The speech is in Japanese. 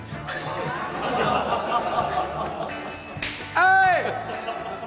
はい！